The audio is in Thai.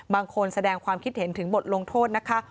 บางคนแสดงความคิดเห็นถึงบทลงโทษนะคะ